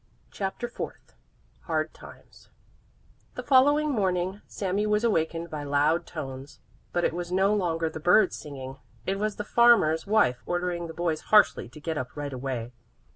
CHAPTER FOURTH HARD TIMES The following morning Sami was awakened by loud tones, but it was no longer the birds singing; it was the farmer's wife ordering the boys harshly to get up right away.